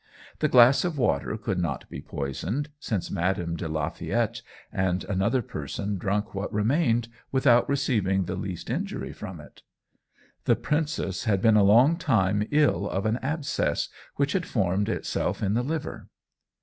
The glass of water could not be poisoned, since Madame de la Fayette and another person drunk what remained without receiving the least injury from it. The princess had been a long time ill of an abscess, which had formed itself in the liver."